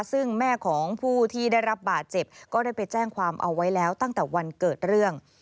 ซึ่งแม่ของผู้ที่ได้รับบาดเจ็บก็ได้ไปแจ้งความเอาไว้แล้วตั้งแต่วันเกิดเรื่อง